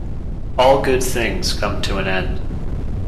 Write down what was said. All good things come to an end.